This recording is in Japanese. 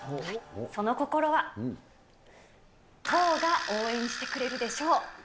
その心は、とうが応援してくれるでしょう。